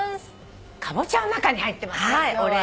カボチャの中に入ってますね今日は。